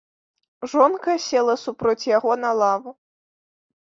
Жонка села супроць яго на лаву.